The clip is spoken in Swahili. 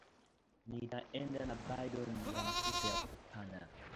Nita enda na bidon ya mafuta ya kupana